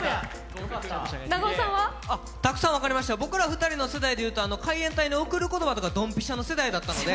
たくさん分かりましたよ、僕ら２人の世代で言うと海援隊の「贈る言葉」とかドンピシャの世代だったので。